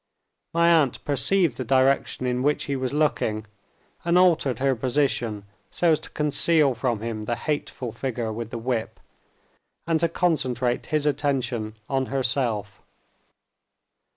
My aunt perceived the direction in which he was looking, and altered her position so as to conceal from him the hateful figure with the whip, and to concentrate his attention on herself.